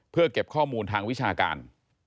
เพื่อเก็บข้อมูลทางวิชาการ